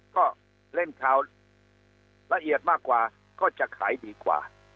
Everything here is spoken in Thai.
ก็เล่นข่าวละเอียดมากกว่าก็จะขายดีกว่า